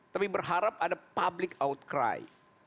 tapi berharap ada public outcry